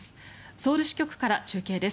ソウル支局から中継です。